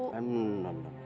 hmm enggak enggak